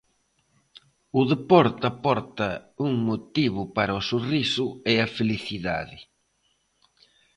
O deporte aporta un motivo para o sorriso e a felicidade.